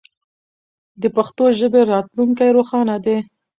د پښتو ژبې راتلونکی روښانه دی.